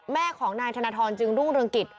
แม่ของนายธนทรจึงรุ่งเรืองกิจ